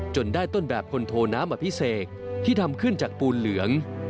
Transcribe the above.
ได้ต้นแบบพลโทน้ำอภิเษกที่ทำขึ้นจากปูนเหลือง